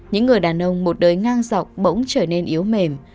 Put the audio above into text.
những người đàn ông một đời ngang dọc bỗng trở nên yếu mềm